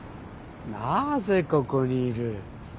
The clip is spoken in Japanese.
なぜここにいる？